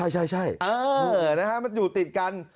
ใช่มันอยู่ติดกัน